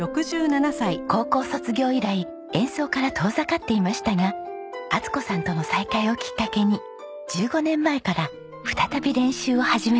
高校卒業以来演奏から遠ざかっていましたが充子さんとの再会をきっかけに１５年前から再び練習を始めたんです。